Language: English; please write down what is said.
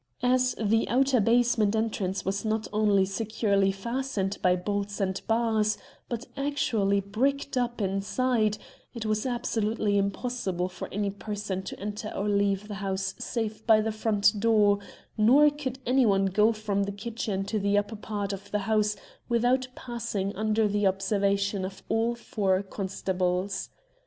As the outer basement entrance was not only securely fastened by bolts and bars, but actually bricked up inside, it was absolutely impossible for any person to enter or leave the house save by the front door, nor could any one go from the kitchen to the upper part of the house without passing under the observation of all four constables.